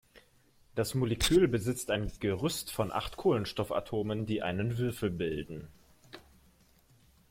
Das Molekül besitzt ein Gerüst von acht Kohlenstoffatomen, die einen Würfel bilden.